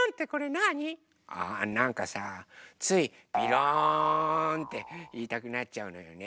あなんかさつい「びろん」っていいたくなっちゃうのよね。